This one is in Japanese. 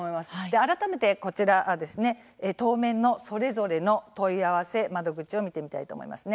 改めてこちら当面のそれぞれの問い合わせ窓口を見てみたいと思います。